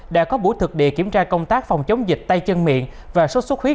đã có buổi thực địa kiểm tra công tác phòng chống dịch tay chân miệng và sốt xuất huyết